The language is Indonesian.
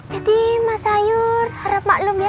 jadi mas sayur harap maklum ya